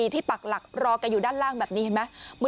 ปักหลักรอแกอยู่ด้านล่างแบบนี้เห็นไหม